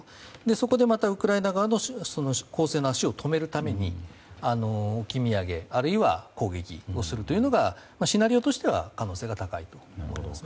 そこでまたウクライナの攻勢の足を止めるために置き土産あるいは攻撃するというのがシナリオとしては可能性が高いと思います。